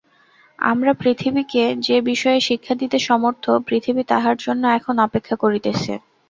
আমরা পৃথিবীকে যে-বিষয়ে শিক্ষা দিতে সমর্থ, পৃথিবী তাহার জন্য এখন অপেক্ষা করিতেছে।